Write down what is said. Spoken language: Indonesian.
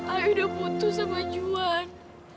ayu ayu udah putus sama juan